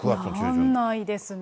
なんないですね。